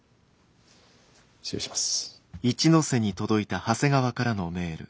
失礼します。